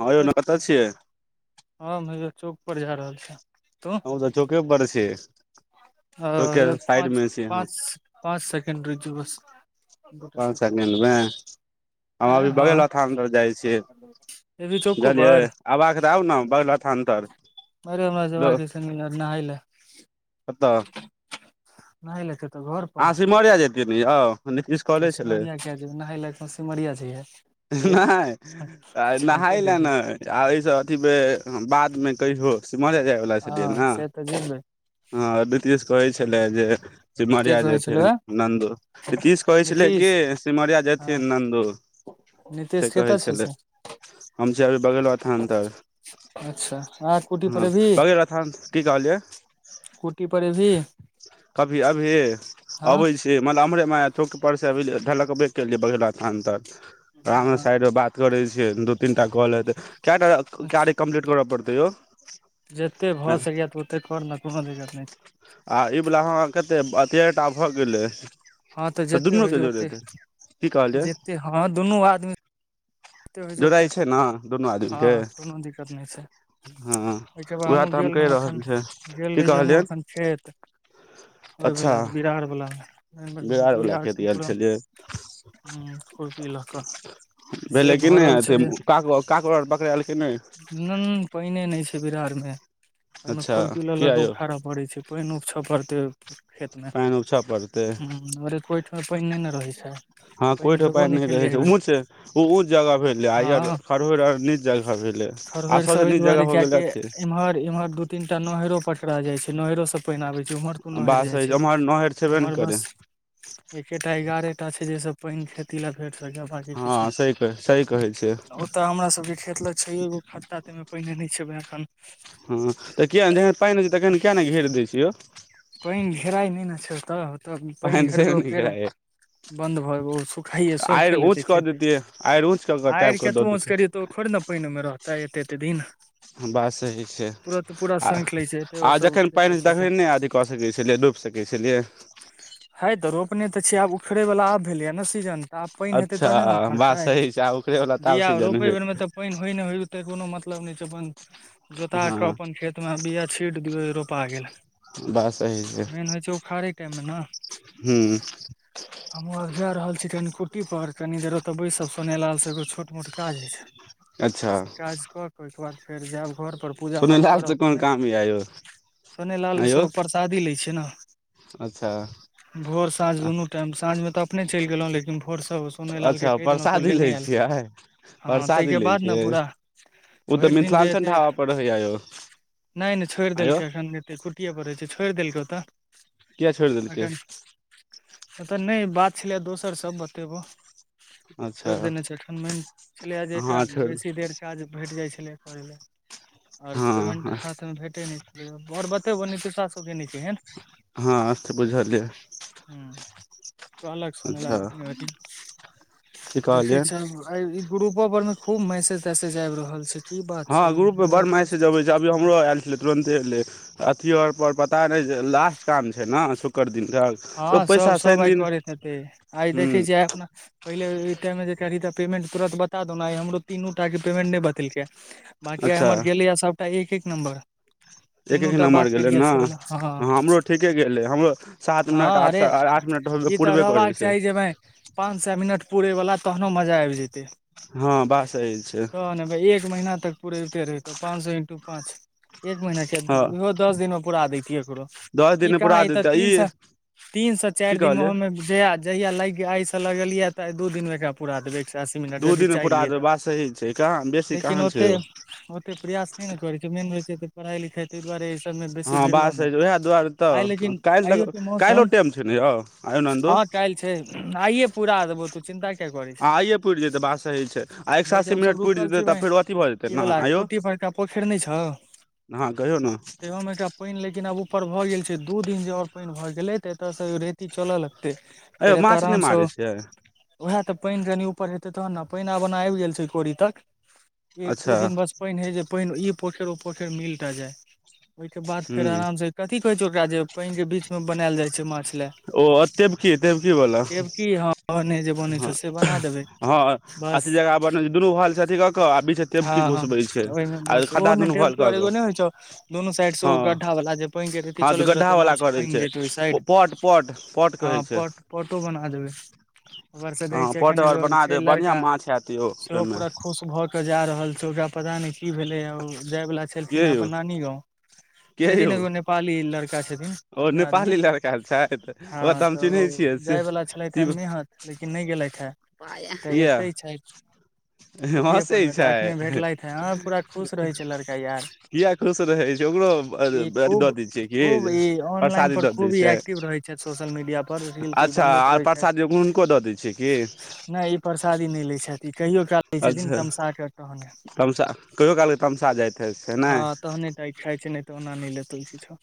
हँं यौ न कतऽ छियै हम हय चौक पर जा रहल छिय हमहू तऽ चौके बड़ छीयै हाँ पाँच हम पाँच पाँच सेकैण्ड रूक जाउ बस पान सेकंड में हमरा आँय भेल हँ बगल थान पर जाइ छिय एबही चौको बुझलियै पर आबाक तऽ आउ न बगला थानतर अरे हमरा जेबाक छै नहाय ल कतऽ नहाईल कत तऽ घर अहाँ सिमरिया जतियै ने यौ नीश कॉले छलै ाइ [unintelligible] ह सिमरिया छइयै नहि नहाय लए देलही नए आ एहिसँ अथीमे बादमे कहियो सिमर जायवला छलियै ने हँ से तऽ जेबै हँ दीतेश कहै छलै जे के सिमरिया कहै छलौ ए? नन्दु नीतीश कहै छलै कि नीतीश सिमरिया हँ जेथिन नन्दु से नीतीश कहै कतऽ छै छलै से हम छी अभी बगल थान तर अच्छा आ कुटी पर ह एबही बगी रथ की कहलियै कूटी पड़ एबही कभी अभीए हँ अबै छी मलब हमरे माया अर चौक पर से अभी ढलकबे केलके बघेला थान तक हँ साइड बात करै छियै दू तीन टा कॉल हेतै केटा अच्छा कारी कम्प्लीट करय पड़तै यौ जते भऽ आ सकय ओते कर न कोनो दिक्कत नहि आ ई वला ह कतेक अतएटा भऽ गेलै हँ तऽ त जते दुनू होइ के छै जोड़ ओते देतै की कहलियै जते हँ दुनू आदमी ओेते होइ छै ओते जोड़ाइ ने दुनू आदमी हँ के कोनो दिक्कत नहि छै हँ ओहिसँ बाद उएह हमहूँ तऽ हम गेल कहि रहौँ रहल एखन छै गेल की रहिये हमहूँ कहलियै एखन खेत अच्छा ओवला बिरारवला बिरार वला बिया खेत सम गेल पुराण छलियै ह खुरपी लाका भेलै कि नहि अथी काकोर काकोर आर पकड़ेल कि नहि न पइने नहि छै बिरार मे ओहिमे अच्छा खुरपी किया ललके यौ उखारब पड़ै छै पानि उपछ पड़तै खेत मे पानि उपछऽ पड़तै ह हमर त ओहिठमा पानि नहि ने रहै छै हँ कोई पानि ठ भेबो पाइन नहि केलै रहे एहि छै बेर ऊंच ऊच जगह भेल हँ आइर खरहोइर आओरनीच जगह भेलै आ खरहरि सब सबसँ एहि नीच दुआरे जगह हो गेलै कियाकि अथी इम्हर इम्हर दू तीनटा नहरो पकरा जाय छै नहरो सब पानि आबै छै ओम्हर कुन नहैर बात जाइ सही छै ओम्हर नहर छेबे ने ओम्हर करै बस एकेटा एगारहे टा छै जेहिस पानि खेती लए भेट सकय बकी हँ किछु सही सही कहै छियै नहि ओतऽ हमरा सब के खेत ले छै एगो खता ते मे पइने नहि छै एखन हँ तऽ कियाक नहि जखन पानि होइ छै तखन किया नहि घेर दै छ यौ पानि घेराय नहि ने छै ओतय ओतय पानि से घेरबौ नहि फेर घेराइ बन्द भ सुखाइए आड़ि सोखे ऊँच लेतै कऽ खेते देतियै आड़ि ऊँच कऽ कऽ आइड़ टाइप कऽ दऽ केतबो उच देतियै करिय तो खोड़ ने पानि मे रहताै एते एते दिन बात सही छै तुरत पूरा आ सोखि लै छै एते ओ आ सब जखन खेत पानि छै तख से ने कऽ सकै छलियै डुबि सकै छलियै हइ तऽ रोपने तऽ छी आब उखड़ैवला आब भेलैया ने सीजन त आब पानि हेतै अच्छा तहने ने बात फड़तै सही छै आ ओकरे वला तऽ आब बिआ सीजन रोपै हेत बेरमे त पानि होइ नहि होइ ओते कोनो मतलब नहि छै अपन जोता क हँ अपन खेत मे बया छीट दियौ रोपा गेल बस सही छै मेन होइ छै उखारे टाइम मे ने हूँ हमहूँ आब जाय रहल छी कनि कुटी पर कनि देर ओतऽ बैस सुनेलाल से एगो छोट मोट काज होइ छै अच्छा से काज क के ओहिके बाद फेर जायब घर पर पूजा पाठ पुनलाल से करब कोन फेना काम य यौ सोने लाल आँ यौ सब परसादी लय छियै‌ अच्छा न‌भोर साझ‌ दुनु टाइम साँझमे तऽ अपने चलि गेलहुँ लेकिन भोरसँ सोनय लालके अच्छा कहि देलहुँ त परसादी लै लेने आयल छियै हँ परसादी ताहिके लै बाद ने छियै पूरा ओ तऽ भरि दिन जे मिथिलाञ्चल हेतै ढाबा पर रहैया यौ नहि नहि छोड़ि आँयौ देलकै एखन कते कुट्टिए पड़ै छै छोड़ि देलकै ओतऽ किया छोड़ि देलकै एखन ए त नहि बात छलै दोसर सब बतेबो अच्छा छोइड़ देने छै ए मन छल जे हँ छोड़ बेसी देर काज भेट जाय छले करे ले आऔर पेमेंट हँ हाथ में भेटे ने छै आओर बतेब नितशबा सबके‌नय हँ बुझालियै ह अलग सुन ल अच्छा की देखै कहलियै छ [unintelligible] इ ग्रुपो पर में खूब मैसेज तैसेज आयब रहल छै की बात हँ छै ग्रुप में मेरा बड़ मैसेज अबै छै अभी टेस्ट हमरो आयल छल तुरन्तेै अथी आर पर पता नहि जे लास्ट काम छै ने शुक्र दिनके हँ सब सब आइ करैत हेते आइ हूँ देखै छ आइ अपना पहिले ई टाइ मे जे कर ही ते पेमेंट तुरत बता दौ न आय हमरो तीन टा के पेमेंट नहि बतेलके [inaudible] बाकी आइ हमर गेलैया सभटा एक एक नम्बर एक तीनू एक टा बात नमबर गेलै केलियै ने से बला हँ हमरो ठीके गेलै हमरो सात मिनट हँ आठ आठ मिनट हो पूरबे करै छै के भाय [unintelligible] पाँच सए मिनट पुरै वाला तहनो मजा आबि जैतै हँ बात सही छै एक महीना तक पुरैबते रैहतौं पाँच सए इंटू पाँच एक हँ महना दस दिन मे पुरा दतियै एकरो दस ई दिन पुरा कहाँ ई त देतै तीन सए तीन से चारि की दिन मे कहलियै ओहोमे जहिया जहिय लागि आय से लगलिये तऽ दू दिन मे पूरा देबै एक से अस्सी मिनट दू यदि दिन पुरा चाहलियै देबै तऽ बात सही छै कहाँ बेसी लेकिन कहाँ छै ओते यौ ओते प्रयास नहि ने करै छै मेन रह छै पढ़ाई लिखाइ ताहि दुआरे सबमे हँ बेसी भिड़लहुँ बास ह नहि [unintelligible] उएह दुआरे तऽ आइ लेकिन काल्हि आइयो तक के काइलो टाइम छे नै यौ आय यौ नन्दू काइल छै आइये पूरा देबौ तू चिन्ता किया करै छै आ आइए पुरि जेतै बात सही छै आ एक सए नै जे अस्सी हम सब मिनट पुरि रुकल जेतै छी तऽ बैह फेर अथी भऽ जेतै ई ने वला कुट्टी पर क पोखैर नहि छऽउ हाॅं कहियौ ने पानि लेकिन आब ऊपर भऽ गेल छै दू दिन जे आओर पानि भऽ गेलै तऽ एतयसँ रेती चलय लगतै फेर अयौ ए तऽ माछ नहि आरामस मारै छियै उएह तऽ पानि कनी ऊपर हेतै तहन ने पानि आब ओना आबि गेल छै कोड़ी तक एक दू अच्छा दिन बस पानि हइ जे पानि ई पोखर ओ पोखर मिलटा जाय ओहिके बाद फेर हूँ आराम से कथी कहैत छै ओकरा जे पानि के बीच मे बनायल जाइ छै माछ ले ओ तेबकी तेबकी वाला टेबकी ह जे बनै छौ हँ से बना देबै हँ बस अथी जगा बनल ह दुनू [unintelligible] हल छै अथी क के बि हँ हैं ओहि मे बस ओहो भल कऽ एगो कऽ नै होइ छौ दुनू साइड से हँ ओ गड्ढा वला पानि के रहत चलैत रहतै माछ तय फाइन छै जेतै ओहि पट पट पट कहै छै पोटो बना देबे उपर से देखै हँ छै पट एखन आओर एगो बना छै देब बढ़िआँ लड़का माछ हैत यौ सेहो ओहिमे पूरा खुश भ के जा रहल छै ओकरा पता नहि की भेले जाय वालला छलखिन के ह यौ अपन नानी गाँंव के छथिन यौ एगो नेपाली लड़का छथिन ओ अपने आदमी नेपाली लड़का छथि ओकरा हँ हम तऽ चिन्है ओ छियै से जाय वला छलथि हे शिव नेहर लेकिन नहि गेलथि हे तऽ किया एयते छै कुठिए पर हँसै मे तऽ छै एखने भेटलथि हे हँ पूरा खुश रहैत छै लड़का यार किया खुश रहै छै ओकरो [unintelligible] ई थ दऽ खूब दै छियै की खूब ई ऑनलाइन परसादी पर दऽ दै खूब ई छै एक्टिव रहे छथि सोशल मीडिया पर रील तिल अच्छा बनबैत आर रहे छथि परसादी गो हुनको दऽ दै छिय की नहि ई परसादी नहि ले छथि कहियो काल लै छथिन अच्छा तमशा क कहने तमसा कहियो कालके तमसा जाइत हइ छै ने हँ तहने टा इ खाइ छै नहि तऽ ओना नहि लेतौ किछो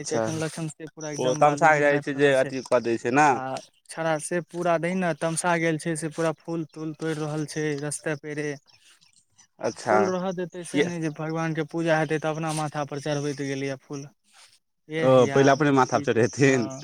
अच्छा जखन लखन से पूरा ओ एकदम तमसा बालू के मे जाइ नापि जे रहल छै अथी कऽ दै छै ने आ छड़ा से पूरा दीन आ तमसा गेल छै से पूरा फूल तूल तोड़ि रहल छै रस्ते पेड़े [inaudible] फूल रहय देतै से किया नहि जे भगवानके पूजा हेतै तऽ अपना माथापर चढ़बैत गेलै फूल ओ एह पहिला यार अपने माथापर ठीक चढ़ेथिन हँ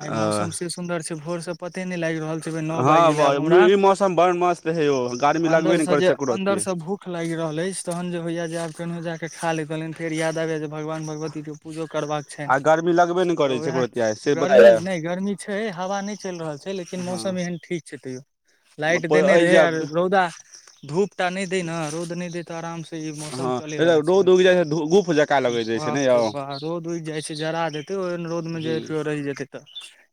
आइ ओ मौसम से सुन्दर छै भोरसँ पते नहि लागि रहल छै भै नौ बाजि गेलै हँ आब हमरा ई मौसम बड़ मस्त हे यौ गर्मी लगबे नहि अन्दरसँ करै जे छै एको रती अन्दरसँ भूख लागि रहल अछि तहन जे होइया जे आब केनो जाकऽ खा लैतन फेर याद आबै जाय यै जे भगवान भगवतीे पूजो करबाक छनि आ गर्मी लगबे नहि तऽ करै छै वएह एको रती आइ से गर्मी बताउ नहि गर्मी छै हवा नहि चलि रहल छै लेकिन हँ मौसम एहन ठीक छै तैयो लाइट देने एहि रहे आर जे रौदा धूपटा नहि दै न रौद नहि दै तब आराम से मौसम हँ चले वाला छै रौद उगि जाइ छै गुफ जका लगैत रहै छै ने बाप यौ रे रौद उगि जाय छै जरा देते ओहन रौद मे जे हूँ कियो रहि जेते तऽ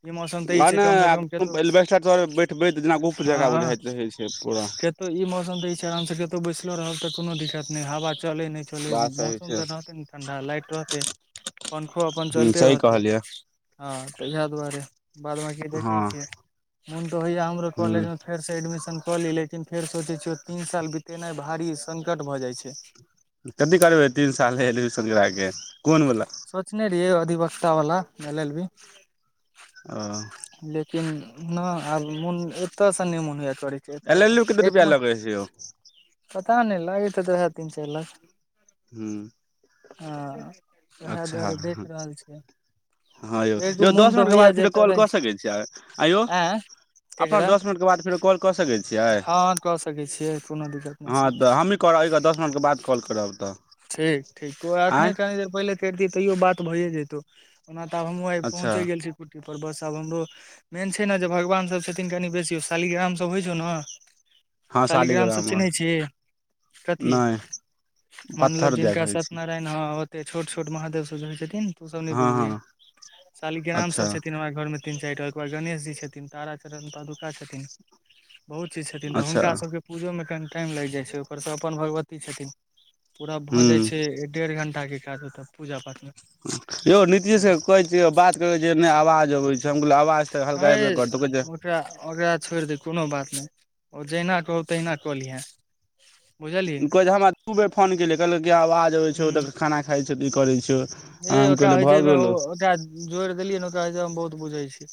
ई मौसम तऽ ई छै कम से कम केतो बैठबे त जे [unintelligible] ना गुप जकह बुझाइत रहै छै पूरा कतो ई मौसम त ई छै आराम से कतो बैसलो रहब ते कोनो दिक्कत नहि हवा चले ने च बात सही मौसम छै तऽ रहते ने ठंडा लाइट रहतै पंखों अपन हूँ चलिते सही रहतै कहलियै हँ तऽ इएह दुआरे बाद बकी हँ देखैत छियै मन तऽ होइया हमरो हूँ कलेज में फेर से एडमिशन कऽ ली लेकिन फेर सोचे छियै तीन साल बीतेनाइ भारी संकट भऽ जाइ छै कथि करबै तीन साल नहि एडमिशन कराे कोन बला सोचने रहियै अधिवक्तावला म एल एल बी ओ लेकिन नहि आब मन एतय सा नहि मोन होय ए ल ल किते रुपैआ लगे छै पता नहि लाग्यत हैते औहें तीन चारि लाख हूँ हँ उएह अच्छा दुआरे देख रहल छियै हँ यौ यौ दस मिनटके बाद फेर कॉल कऽ सकैत छीयै आँ केकरा मिनटके बाद फेरो कॉल कऽ सकै छियै हँ कऽ सकै छियै कोनो दिक्कत नहि छै क करब एक दस मिनटके बाद कॉल करब तऽ ठीक ठीक तो एखने आँय कनी देर पहिले करितह तैयो बात भइए जतौ ओना तऽ आब हमहूँ आ अच्छा पहुँचे गेल छी ककुटी पर बस आब हमरो [unintelligible] मेन छै ने जे भगवानसभ छथिन कनि बेसी शालिग्रामसभ होइ छौ ने हँ सालीग्राम सब शालिग्राम हमर चिन्है छि कथी नहि मानलब पत्थर दए जिनका कहै छी सत्यनारायण हं ओते छोट छोट महादेवझै छथिन तू सब नहि हँ बुझबहे हँ सालीग्राम अच्छा सब छथिन हमरा घरमे तीन चारि टा ओ बाद गणेश जी छथिन तारा चरण तु छथिन बहुत चीज छथिन तऽ अच्छा हुनका सबके पूजोमे कनि टाइम लागि जाइ छै ओकर सभ अपन भगवती छथिन पूरा भऽ हूँ जाइ छै डेढ़ घण्टाके काज ओतऽ पूजा पाठमे ह यौ नीतिश से कहे दियौ बात करे जे आवाज अबै छै हम आवाज तऽ हल्का हय हबे करतौ कहै छै ओकरा ओकरा छोड़ि दे कोनो बात नहि ओ जहिना कहू तहिना कऽ लिहै बुझली ई कहै जे हमरा दू बेर फोन केलियै कहलकै आवाज अबै छौ तऽ खाना खाइ छौ तऽ ई करै छियौ ऐ ओकरा होइ छै ओ जोड़ि देलियै ने बहुत बुझे छीै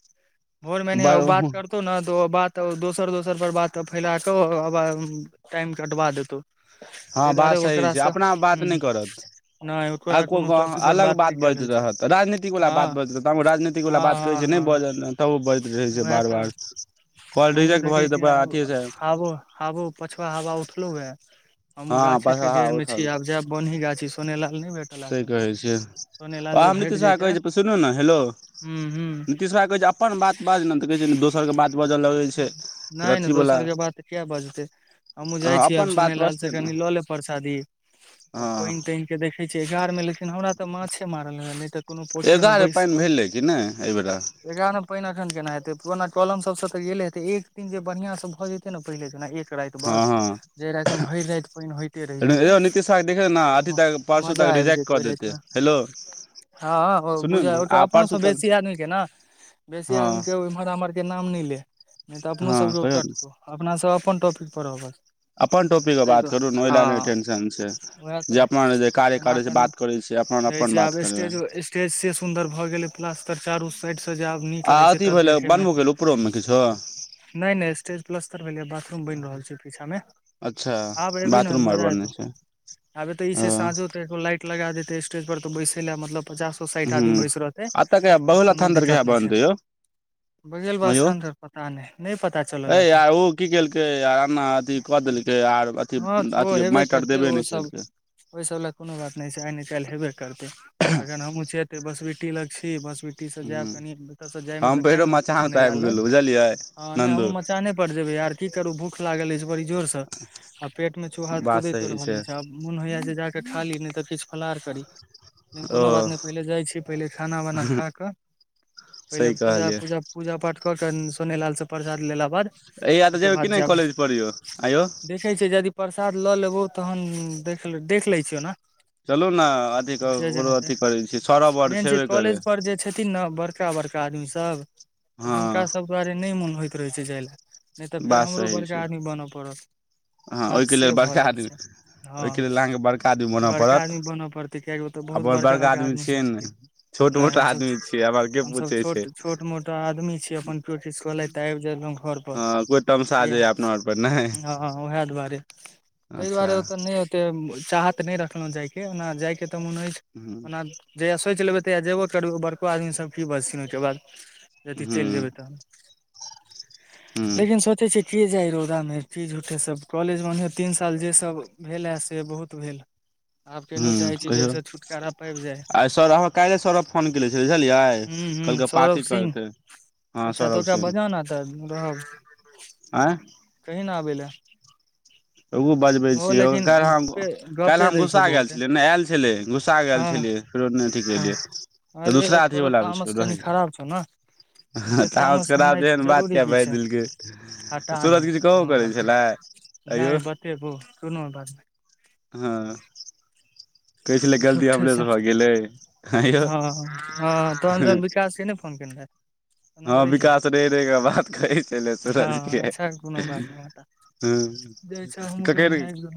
भोर मे नही बड़ बात कर तौ ने तो बात दोसर दोसर पर बात फैला क टाइम के अटवा देतौ हँ ताहि बात दुआरे सही छै ओकरासँ अपना बात हूं नहि करत नहि आ ओकरा को कोनो टॉपिक पर अलग बात नहि कयल बजैत होइ छै रहत राजनीतिक बला हँ बात बजैत रहत तऽ राजनीतिक बला हँ बात हँ कहैत छै नहि हँ बाजलै तब ओ बढ़ैत रहै छै वएह बार तऽ बार कॉल रिजेक्ट भऽ जेतै अथी से आबो आबो पछवा हवा उठलो हे हम हँ गाछे के पसहा जड़ मे छी उठल आब जायब बनही गाछी सोैने लाल नहि भेटल एखन तक सोनेलाल ओ जे हम भेट नीशाहा जैते कहै छी सुनू ने हेलो हूं हूं नितीश बा के कहै छै अपन बात बाजलहु तऽ कहै छै ने दोसरके बात बाजय लगैत छै फेर अथीवला तऽ किया बजतै हमहूँ जाइ हँ छियै आब अपन बात सोने लाल बजतै से ने कनि लऽ लेब परसादी आ हँ पानि तानि के देखै छियै एगार मे लेकिन हमरा तऽ माछे मार मे तऽ कोनो पोखरि एगारह पानि भेलै कि नहि एहिबेर ए गाम मे पानि अखन केना हेतै पुरना कलम सबसँ तऽ गेले हेतै एक दिन जे बढ़ियां से भऽ जेते ने पहिले जेना एक राति हँ बस हँ जे राति मे भरि राति पानि होइते रहि यौ नीतीश साहके देखियौ ने अथी तक परसू मजा तक आब रिजेक्ट जते कऽ देतै रातिमे हेलो हँ सुनू बुझ ने आ परसू अपनोसँ तक बेसी आदमीके ने बेसी हँ आदमी के इम्हर आम्हर के नाम नहि ले नहि तऽ अपनो हँ सबकेोग कहियौ ने कटतौ अपनासँ अपन टॉपिक पर बस अपन टॉपिक के बात करू ने ओहि ल ने टेंशन छै उएह जे तऽ अपना जे कार्य जेना करे छै एखन बात करे छै से अपन रहै अपन छै बात आब स्टेज करबनि स्टेज से सुन्दर भऽ गेलै प्लस तर चारू साइड से जायब नीक आ लागे छै अथी तब भेलै देखे मे बनबो केलै उपरोमे किछो नहि नहि स्टेज प्लस्तर भेलै बाथरूम बनि रहल छै पीछा मे अच्छा आब एबही ने बाथरूम आ बं मजा बे ने एतौ छै आबे तऽ ई छै ह साँझो तऽ लाइट लगा देते स्टेज पर तऽ बैसे ले मतलब पचास साठि ह आदमी बैस रहतै आ तऽ कोनो दिक्कत नहि छै बघेल बा अयौ स्थान तर पता नहि नहि पता चलल अय एखन ओ की केलकै अथ कऽ देलकै आर अथी अथ माटि आर देबे नहि केलकै ओहिसभ लग कोनो बात नहि छै आइ न कालहि हेबे करतै अगन हमहहुँ छते बसबिटी लग छी बस सिटी से जायब ह कनी एते से जाय मे हम ते भैरो टाइम लगते मचान पर सोने ल आबि लग गेलहुँ बुझलियै ने नन्दू हमहुं मचाने पर जेबे यार की करू भूख लागल अछि बड़ी जोर से आ पेट मे चूहा बात कुदेक सही रहल छै अछि आब मोन होइया जे जाके खा ली नहि त फलहार करी लेकिन ओ कोनो बात नहि पहिले जाइ छी पहिले खाना वाना खाकऽ पहिले सही पूजा कहलियै पूजा पूजा पाठ क के सोने लाल से प्रसाद ला बाद हैया तऽ ओ त जेबै कि भात नहि जाब देख कॉलेज पर यौ आँयौ देखै छियै यदि प्रसाद लऽ लेबौ तहन देख देख लै छियौ ने चलू ने अथी जे ओकरो जेना हेतै अथी करै छी सौरब आओर मेन छै छेबे करै कॉलेज पर जे छथिन ने बड़का बड़का आदमी सब तऽ हँ हुनका सब दुआरे नहि मोन होइत रहै छै जाय ले नहि तऽ फेर हमरो बड़का आदमी बनय पड़त ह बात ओहि के लेल से भऽ बड़का जाइ आदमी छै हँ ओहि के लेल अहाँके बड़का आदमी बनय बड़का पड़त आदमी बनऽ पड़तै कियकि ओतऽ बहुत अपन बड़का आदमी छियै सब ने छथिन छोट नहि मोट हमसब आदमी छियै आ आर के हमसभ पूछे छै छोट छोट मोटा आदमी छ अपन प्रोटिस कले त आब ज घर हँ कोइ तमसा जइया अपना आर पर नहि हँ उएह दुआरे ताहि अच्छा दुआरे ओऽ नहि त चाहत नहि रखलहुँ जायके ओना जायके तऽ मोन होइ हुँ ओना जहियआ सोचि लेबै तहियआ जेबो करबै बड़को आदमी सब की बजथिन ओहिके बाद अथी चलि हुँ जेबै तहन हुँ लेकिन सोचै छ की जाइ रौदामे की झूठे सब कॉलेजमे ओनहि तीन साल जे सब भेल है से बहुत भेल आब ह केहनो चाहै छी कहियौ जहिसँ छुटकारा पाबि जाय आइ सर अहाँ काल्हिए सौरव फोन कने छलै बुझलियै हूँ हूँ कहलकै सौरभ पाती सिंह करतेै अच्छा तऽ ओकरा बजा न तऽ रहब आँ कही ने आबै लए एगो बजबै ओहो छियै लेकिन काल्हि हम गपे काल्हि गपे हम दै छौ घुस्सा गेल बहुते छलियै नहि आयल छलै घुस्सा गेल हँ छलियै फेर नहि अथी हँ केलियै अरे दूसरा तोरो अथीवला भी तामस छै कनि रहै खराब छौ ने ओते तामस त होनाइ खब एहन बात जरूरी किये की छै बायज देलके हटा सूरज नहि कि कहो कोनो करै बात नहि छलै आंइयौ नहि बतेबो कोनो बात हँ कहै छलै गलती झठे ह हमरेसँ भऽ गेलै आंइयौ हँ तहन जन विकास के ने फोन केने रहै हँ विकास रेह रही क बात कहै छले सूरज हँ के अच्छा कोनो बात नहि हटा हँ जाइ छै क हमहूँ कनि कल आबि गेलहुँ